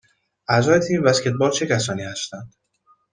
اعضای تیم بسکتبال چه کسانی هستند؟